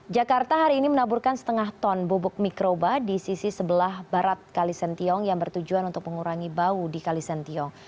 jakarta hari ini menaburkan setengah ton bubuk mikroba di sisi sebelah barat kalisentiong yang bertujuan untuk mengurangi bau di kalisentiong